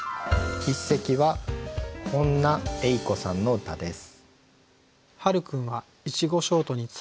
一席は本那榮子さんの歌です。